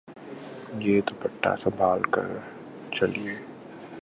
یا دوپٹہ سنبھال کر چلئے